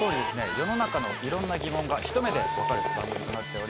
世の中のいろんな疑問がひと目で分かる番組となっております。